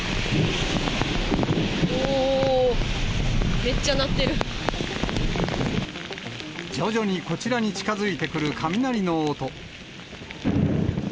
おー、徐々にこちらに近づいてくる雷の音。